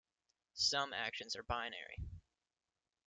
Some actions are binary.